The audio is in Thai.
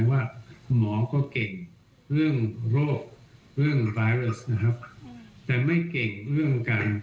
ว่าหมอก็เก่งเรื่องโรคเรื่องร้ายเอสนะครับแต่ไม่เก่งเรื่องการ